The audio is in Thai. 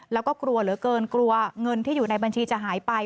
แล้วก็กลัวเหลือเกินกลัวเงินที่อยู่ในบัญชีจะหายไป